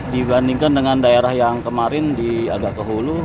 dibandingkan dengan daerah yang kemarin di agak kehulu